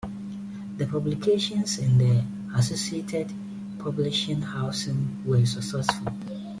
The publications and the associated publishing house were successful.